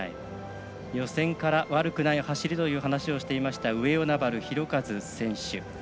予選から悪くない走りという話をしていました上与那原寛和選手。